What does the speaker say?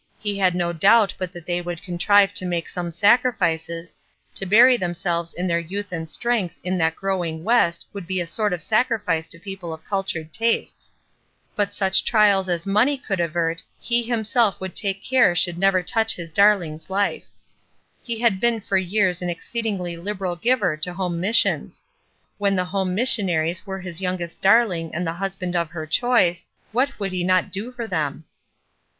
He had no doubt but that they would contrive to make some sacrifices — to bury themselves in their youth and strength in that growing West would be a sort of sacrifice to people of cultured tastes; but such trials as money could avert he himself would take care should never touch his darling^s life. He had 28 ESTER RIED'S NAMESAKE been for years an exceedingly liberal giver to home missions. When the home missionaries were his youngest darling and the husband of her choice, what would he not do for them